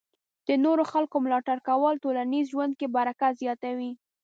د نورو خلکو ملاتړ کول ټولنیز ژوند کې برکت زیاتوي.